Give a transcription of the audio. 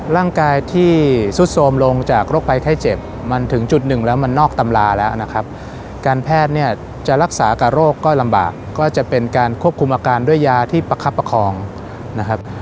ร่างกายที่สุดโทรมลงจากโรคภัยไข้เจ็บมันถึงจุดหนึ่งแล้วมันนอกตำราแล้วนะครับการแพทย์เนี่ยจะรักษากับโรคก็ลำบากก็จะเป็นการควบคุมอาการด้วยยาที่ประคับประคองนะครับ